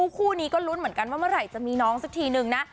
คู่นี้ก็ลุ้นเหมือนกันว่าเมื่อไหร่จะมีน้องสักทีนึงนะ